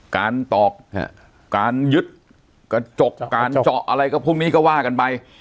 ตอกการยึดกระจกการเจาะอะไรก็พวกนี้ก็ว่ากันไป